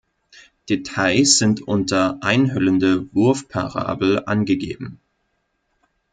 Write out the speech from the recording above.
Details sind unter Einhüllende Wurfparabel angegeben.